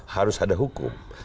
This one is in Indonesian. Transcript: harus ada hukum